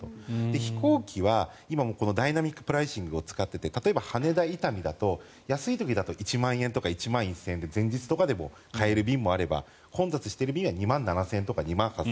飛行機はダイナミック・プライシングを使っていて例えば羽田伊丹だと安い時だと１万円とか１万１０００円で前日とかでも買える便もあれば混雑している便は２万７０００円とか８０００円とか。